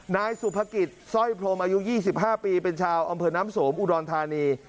นายสุภกิจสร้อยพรมอายุ๒๕ปีเป็นชาวอำเภอน้ำสมอุดรธานี